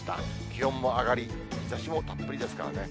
気温も上がり、日ざしもたっぷりですからね。